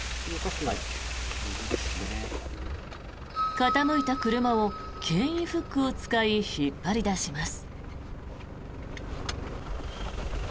傾いた車をけん引フックを使い引っ張り出します。